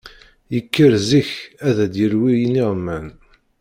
Yekker zik ad d-yelwi iniɣman.